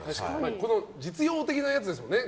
実用的なやつですもんね。